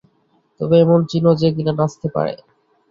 তবে এমন চিনো যে কিনা নাচতে পারে।